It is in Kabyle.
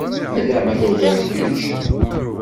Ala ma tugiḍ kečč.